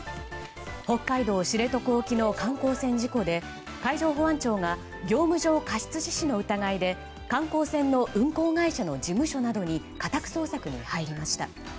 北海道知床沖の観光船事故で海上保安庁が業務上過失致死の疑いで観光船の運航会社の事務所などに家宅捜索に入りました。